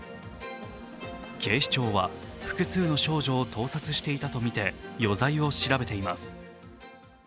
警視庁は複数の少女を盗撮していたとみて余罪を調べています。